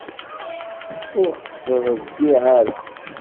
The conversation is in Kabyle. Ur ɣ-tt-ttreyyiε ara.